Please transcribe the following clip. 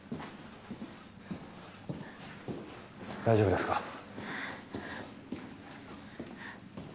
大丈夫ですか？